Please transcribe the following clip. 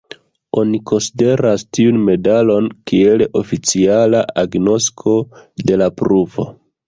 Oni konsideras tiun medalon kiel oficiala agnosko de la pruvo.